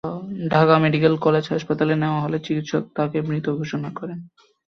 Dhaka medical college হাসপাতালে নেওয়া হলে চিকিৎসক তাঁকে মৃত ঘোষণা করেন।